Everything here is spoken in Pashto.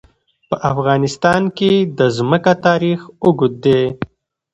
په افغانستان کې د ځمکه تاریخ اوږد دی.